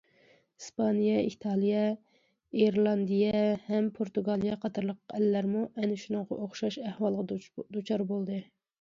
ئىسپانىيە، ئىتالىيە، ئىرېلاندىيە ھەم پورتۇگالىيە قاتارلىق ئەللەرمۇ ئەنە شۇنىڭغا ئوخشاش ئەھۋالغا دۇچار بولدى.